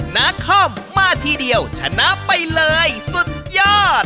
นาคอมมาทีเดียวชนะไปเลยสุดยอด